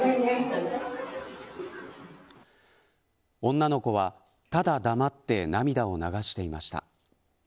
女の子は、ただ黙って涙を流していました。